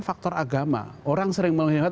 faktor agama orang sering melihat